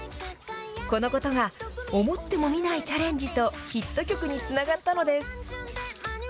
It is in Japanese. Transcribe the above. このことが思ってもみないチャレンジとヒット曲につながったのです。